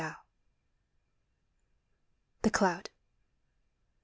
133 THE CLOUD.